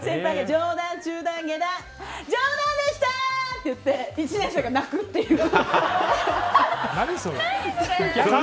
上段でした！って言って１年生が泣くっていう。